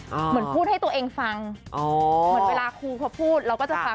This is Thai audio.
เหมือนคุณก็พูดให้ตัวเองฟังเหมือนเวลาครูพอพูดเราก็จะฟัง